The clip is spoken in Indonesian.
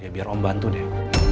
biar om bantu deh